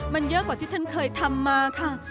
มันเยอะกว่าที่ฉันเคยทำมาค่ะ